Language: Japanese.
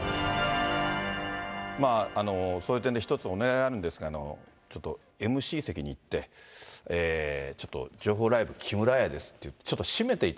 まあ、そういう点で１つ、お願いがあるんですが、ちょっとＭＣ席に行って、ちょっと、情報ライブキムラ屋ですって、俺が？